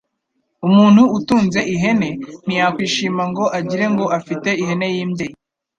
Umuntu utunze ihene ntiyakwishima ngo agire ngo afite ihene y’imbyeyi,